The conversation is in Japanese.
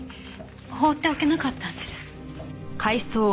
放っておけなかったんです。